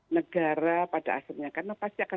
negara pada akhirnya karena pasti akan